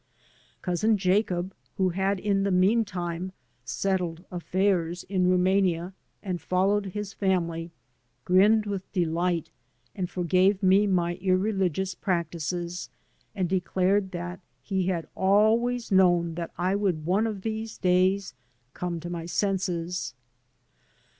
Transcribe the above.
Cousin Jacob, who had in the mean time^^ settled affairs *' in Rumania and followed his family, grinned with delight and forgave me my irreligious practices, and declared that he had always known that I would one of these days come to my senses.